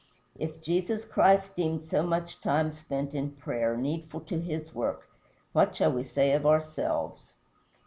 If Jesus Christ deemed so much time spent in prayer needful to his work, what shall we say of ourselves?